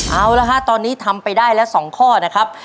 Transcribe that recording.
เอาละฮะตอนนี้ทำไปได้แล้ว๒ข้อนะครับ